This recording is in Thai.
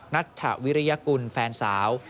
นัทธวิริยกุลแฟนสาว